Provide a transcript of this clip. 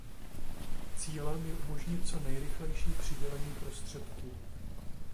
Cílem je umožnit co nejrychlejší přidělení prostředků.